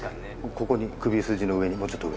ここに首筋の上にもうちょっと上。